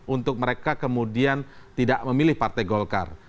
untuk mereka kemudian tidak memilih partai golkar